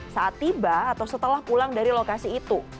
saat tiba atau setelah pulang dari lokasi itu